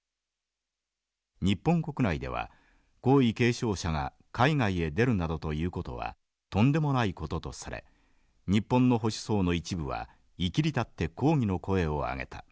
日本国内では皇位継承者が海外へ出るなどという事はとんでもない事とされ日本の保守層の一部はいきりたって抗議の声を上げた。